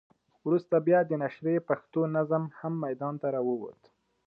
وروسته بیا د نشرې پښتو نظم هم ميدان ته راووت.